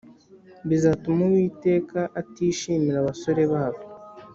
Bizatuma Uwiteka atishimira abasore babo